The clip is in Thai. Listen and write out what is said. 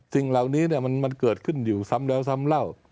สิ่งเหล่านี้มันเกิดขึ้นอยู่ซ้ำแล้วซ้ำเล่า